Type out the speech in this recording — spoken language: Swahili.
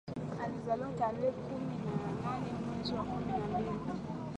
Alizaliwa tarehe kumi na nane mwezi wa kumi na mbili